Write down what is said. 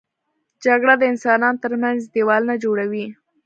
جګړه د انسانانو تر منځ دیوالونه جوړوي